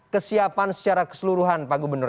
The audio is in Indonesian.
kesiapan secara keseluruhan pak gubernur